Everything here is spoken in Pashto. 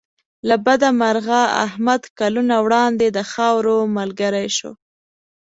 له بده مرغه احمد کلونه وړاندې د خاورو ملګری شو.